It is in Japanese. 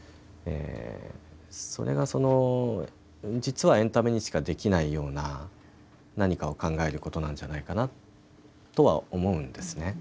それが、実はエンタメにしかできないような何かを考えることなんじゃないかなとは思うんですね。